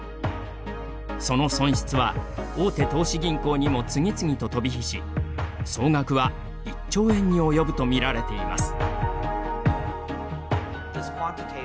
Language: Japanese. その損失は、大手投資銀行にも次々と飛び火し総額は１兆円に及ぶと見られています。